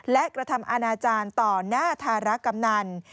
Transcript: และกระทำอาณาจารย์ต่อหน้าธารกำนัน